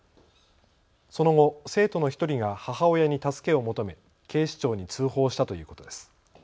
その後、生徒の１人が母親に助けを求め、警視庁に通報したということです。